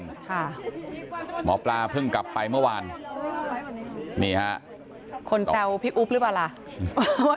หมอปลาเพิ่งกลับไปเมื่อวานนี่ฮะคนแซวพี่อุ๊บหรือเปล่าล่ะ